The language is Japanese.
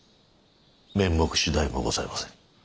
面目次第もございませぬ。